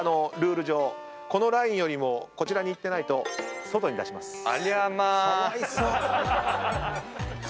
ルール上このラインよりもこちらに行ってないと外に出します。